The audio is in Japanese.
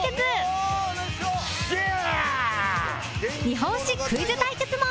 日本史クイズ対決も！